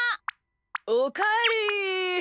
おかえり。